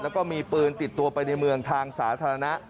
แล้วก็มีปืนติดตัวไปในเมืองทางสาธารณะ